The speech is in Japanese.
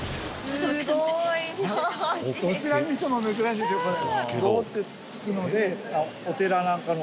どちらにしても珍しいですよこれ。